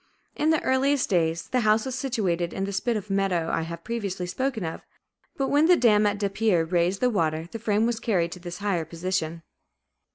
In the earliest days, the house was situated on the spit of meadow I have previously spoken of; but when the dam at Depere raised the water, the frame was carried to this higher position.